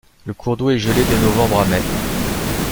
Le cours d'eau est gelé de novembre à mai.